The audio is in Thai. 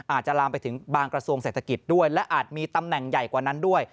อาจจะลามไปถึงบางกระทรวงเศรษฐกิจด้วยและอาจมีตำแหน่งใหญ่กว่านั้นด้วย